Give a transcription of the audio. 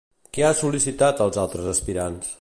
Què ha sol·licitat als altres aspirants?